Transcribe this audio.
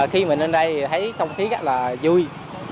khi mình lên đây thấy không khí rất là vui